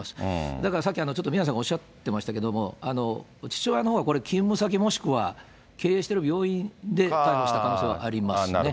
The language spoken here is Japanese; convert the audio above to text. だからさっき宮根さんもおっしゃってましたけども、父親のほうはこれ、勤務先もしくは経営している病院で逮捕した可能性はありますね。